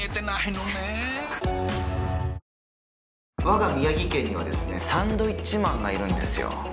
我が宮城県にはですねサンドウィッチマンがいるんですよ